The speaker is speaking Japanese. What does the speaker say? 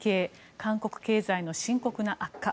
韓国経済の深刻な悪化。